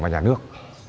và nhà nước